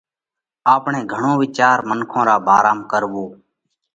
آپڻئہ گھڻو وِيچار منکون را ڀارام ڪروو،